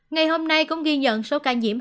ngày hôm nay cũng ghi nhận số ca nhiễm